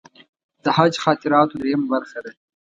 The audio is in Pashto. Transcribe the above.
د حج خاطراتو درېیمه برخه ده.